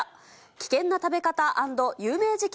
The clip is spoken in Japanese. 危険な食べ方＆有名事件